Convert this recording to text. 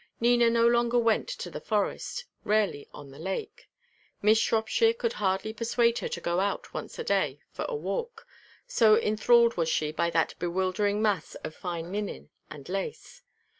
Nina no longer went to the forest, rarely on the lake. Miss Shropshire could hardly persuade her to go out once a day for a walk, so enthralled was she by that bewildering mass of fine linen and lace.